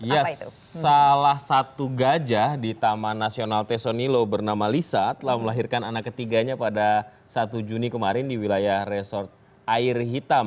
ya salah satu gajah di taman nasional tesonilo bernama lisa telah melahirkan anak ketiganya pada satu juni kemarin di wilayah resort air hitam